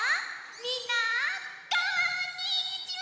みんなこんにちは！